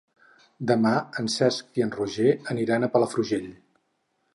Demà en Cesc i en Roger aniran a Palafrugell.